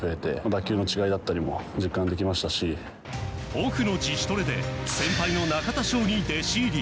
オフの自主トレで先輩の中田翔に弟子入り。